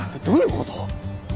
どういうこと？